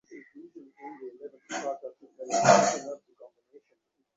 সে মুখ তুলিয়া কহিল, আপনি আমাকে কী করতে বলেন?